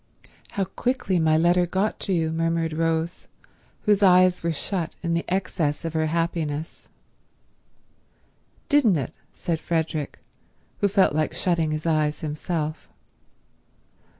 "How quickly my letter got to you," murmured Rose, whose eyes were shut in the excess of her happiness. "Didn't it," said Frederick, who felt like shutting his eyes himself.